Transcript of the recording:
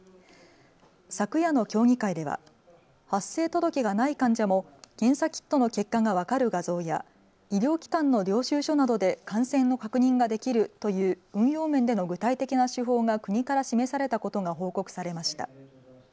昨夜の協議会では発生届がない患者も検査キットの結果が分かる画像や医療機関の領収書などで感染の確認ができるという運用面での具体的な手法が国から示されたことが報告されました。